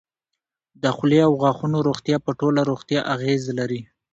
د خولې او غاښونو روغتیا په ټوله روغتیا اغېز لري.